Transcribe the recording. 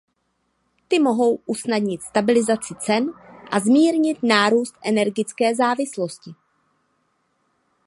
Ty mohou usnadnit stabilizaci cen a zmírnit nárůst energetické závislosti.